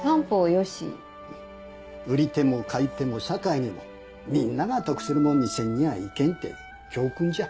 売り手も買い手も社会にもみんなが得するもんにせんにゃあいけんって教訓じゃ。